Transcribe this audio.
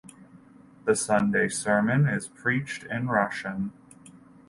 The Sunday Sermon is preached in Russian.